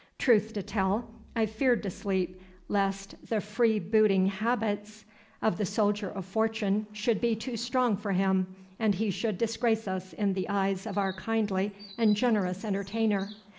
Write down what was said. Truth to tell, I feared to sleep, lest the freebooting habits of the soldier of fortune should be too strong for him, and he should disgrace us in the eyes of our kindly and generous entertainer.